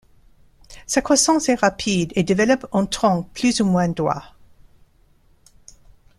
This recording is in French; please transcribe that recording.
Sa croissance est rapide et développe un tronc plus ou moins droit.